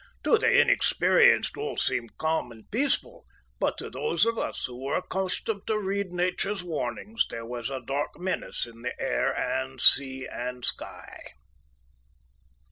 To the inexperienced all seemed calm and peaceful, but to those who are accustomed to read Nature's warnings there was a dark menace in air and sky and sea.